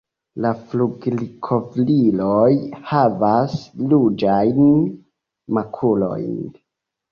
La flugilkovriloj havas ruĝajn makulojn.